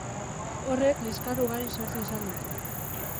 Horrek liskar ugari sortu izan du.